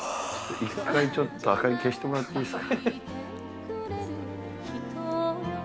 １回ちょっと、明かり消してもらっていいですか。